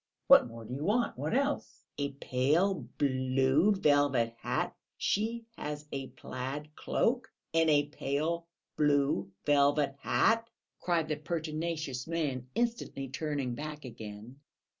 What more do you want? What else?" "A pale blue velvet hat! She has a plaid cloak and a pale blue velvet hat!" cried the pertinacious man, instantly turning back again.